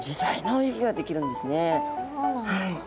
そうなんだ。